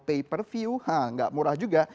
pay per view haa nggak murah juga